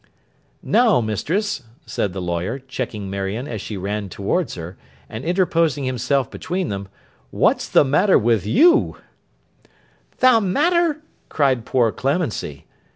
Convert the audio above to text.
'Now, Mistress,' said the lawyer, checking Marion as she ran towards her, and interposing himself between them, 'what's the matter with you?' 'The matter!' cried poor Clemency.